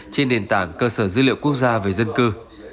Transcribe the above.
trên nền tảng cơ sở dữ liệu quốc gia về dân cư